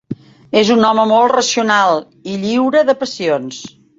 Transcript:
És un home molt racional i lliure de passions.